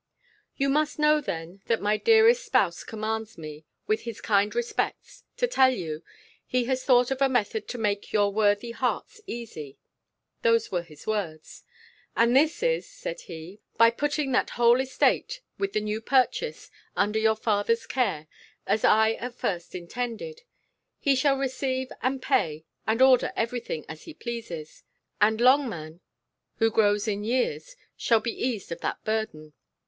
You must know then, that my dearest spouse commands me, with his kind respects, to tell you, he has thought of a method to make your worthy hearts easy; those were his words: "And this is," said he, "by putting that whole estate, with the new purchase, under your father's care, as I at first intended: he shall receive and pay, and order every thing as he pleases: and Longman, who grows in years, shall be eased of that burden.